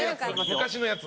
昔のやつ。